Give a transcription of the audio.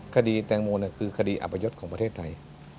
คดีแตงโมคือคดีอัพยศของประเทศไทย